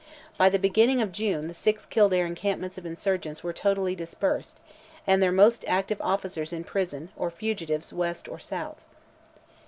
By the beginning of June the six Kildare encampments of insurgents were totally dispersed, and their most active officers in prison or fugitives west or south.